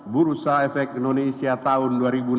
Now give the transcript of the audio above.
bursa efek indonesia tahun dua ribu enam belas